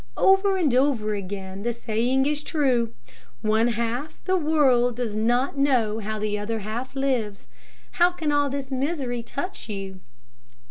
Over and over again the saying is true, one half the world does not know how the other half lives. How can all this misery touch you?